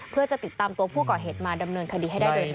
เพื่อจะติดตามตัวผู้ก่อเหตุมาดำเนินคดีให้ได้โดยเร็